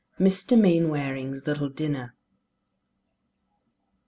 MR. MAINWARING'S LITTLE DINNER.